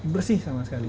bersih sama sekali